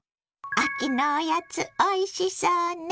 秋のおやつおいしそうね。